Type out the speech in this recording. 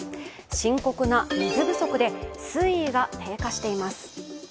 深刻な水不足で水位が低下しています。